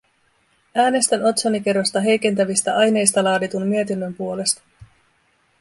Äänestän otsonikerrosta heikentävistä aineista laaditun mietinnön puolesta.